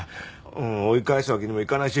追い返すわけにもいかないし。